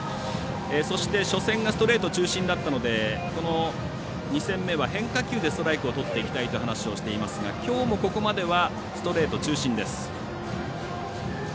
そして、初戦がストレート中心だったのでこの２戦目は変化球でストライクをとっていきたいという話をしていますがきょうも、ここまではストレート中心です。